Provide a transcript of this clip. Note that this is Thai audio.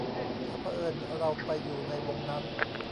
ถ้าเผอิญเราไปอยู่ในวงนั้น